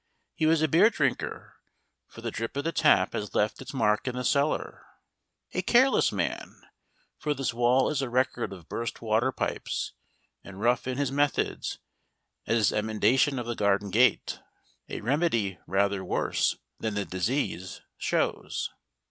He was a beer drinker, for the drip of the tap has left its mark in the cellar; a careless man, for this wall is a record of burst water pipes; and rough in his methods, as his emendation of the garden gate a remedy rather worse than the disease shows.